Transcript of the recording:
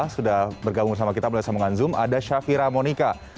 sudah bergabung sama kita boleh sama dengan zoom ada syafira monika